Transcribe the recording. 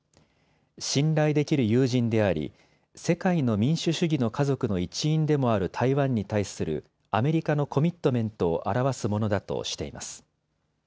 信頼できる友人であり、世界の民主主義の家族の一員でもある台湾に対するアメリカのコミットメントをあらわすものだとしています。